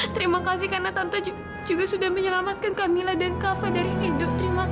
terima kasih karena tante juga sudah menyelamatkan kamila dan kava dari edo